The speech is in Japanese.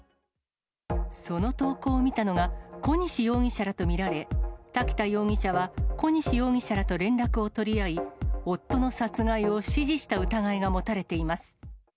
その投稿を見たのが、小西容疑者らと見られ、滝田容疑者は小西容疑者らと連絡を取り合い、夫の殺害を指示した疑いが持たれています。